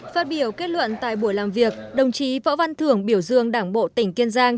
phát biểu kết luận tại buổi làm việc đồng chí võ văn thưởng biểu dương đảng bộ tỉnh kiên giang